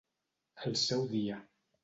Al seu dia.